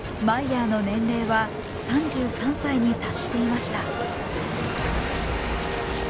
マイヤーの年齢は３３歳に達していました。